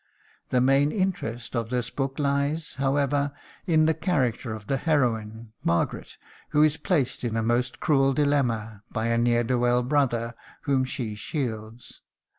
The main interest of this book lies, however, in the character of the heroine, Margaret, who is placed in a most cruel dilemma by a ne'er do well brother whom she shields.